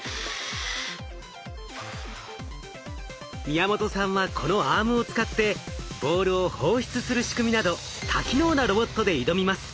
宮本さんはこのアームを使ってボールを放出する仕組みなど多機能なロボットで挑みます。